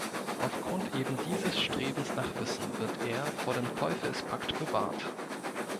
Aufgrund eben dieses Strebens nach Wissen wird er vor dem Teufelspakt bewahrt.